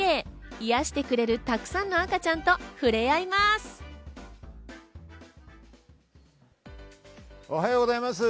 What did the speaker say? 癒やしてくれる沢山の赤ちゃんと触れ合いおはようございます。